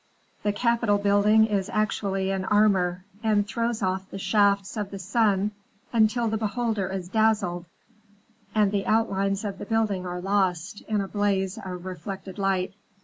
The Capitol building is actually in armor, and throws off the shafts of the sun until the beholder is dazzled and the outlines of the building are lost in a blaze of reflected light.